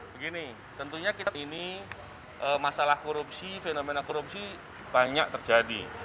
begini tentunya kita ini masalah korupsi fenomena korupsi banyak terjadi